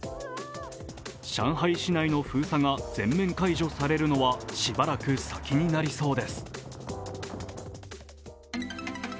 上海市内の封鎖が、全面解除されるのはしばらく先になりそうです。